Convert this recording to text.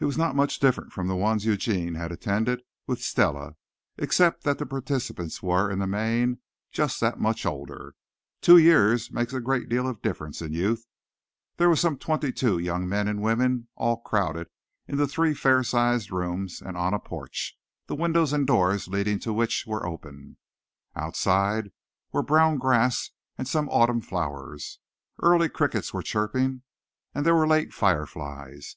It was not much different from the ones Eugene had attended with Stella, except that the participants were, in the main, just that much older. Two years make a great deal of difference in youth. There were some twenty two young men and women all crowded into three fair sized rooms and on a porch, the windows and doors leading to which were open. Outside were brown grass and some autumn flowers. Early crickets were chirping, and there were late fire flies.